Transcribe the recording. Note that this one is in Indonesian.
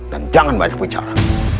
dan jangan banyak bicara